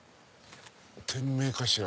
店名かしら。